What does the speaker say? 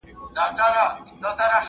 که ښه نیت ولرو نو کار مو نه خرابیږي.